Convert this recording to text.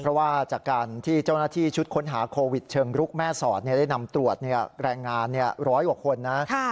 เพราะว่าจากการที่เจ้าหน้าที่ชุดค้นหาโควิดเชิงลุกแม่สอดได้นำตรวจแรงงานร้อยกว่าคนนะ